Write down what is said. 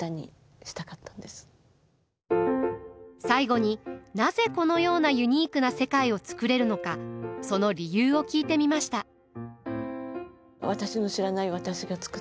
最後になぜこのようなユニークな世界を作れるのかその理由を聞いてみました。